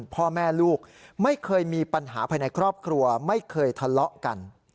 พ่อแม่ลูกไม่เคยมีปัญหาภายในครอบครัวไม่เคยทะเลาะกัน